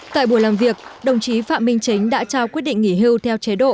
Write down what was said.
tại buổi làm việc đồng chí phạm minh chính đã trao quyết định nghỉ hưu theo chế độ